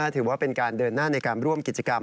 ถือว่าเป็นการเดินหน้าในการร่วมกิจกรรม